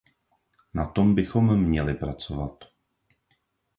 Na tom bychom měli pracovat.